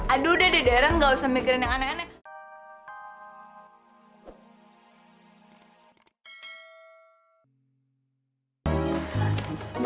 aduh udah deh deren gak usah mikirin yang aneh aneh